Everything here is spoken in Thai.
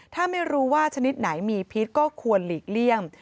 ถ้าไม่รู้ว่าชนิดไหนมีพิษก็ควรหลีกเลี่ยง